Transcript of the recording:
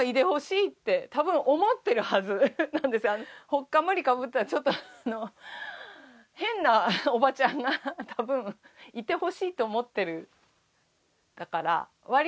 ほっかむりかぶったちょっと変なおばちゃんが多分いてほしいと思っている。